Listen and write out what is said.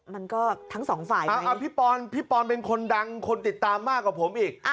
มันก็ทั้งสองฝ่ายพี่ปอนพี่ปอนเป็นคนดังคนติดตามมากกว่าผมอีก